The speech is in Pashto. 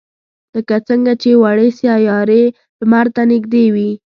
لکه څنگه چې وړې سیارې لمر ته نږدې وي.